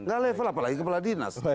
nggak level apalagi kepala dinas